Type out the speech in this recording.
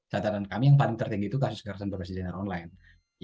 catatan kami yang paling tertinggi itu kasus kekerasan berbasis jeneral online